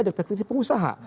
dari perspektif pengusaha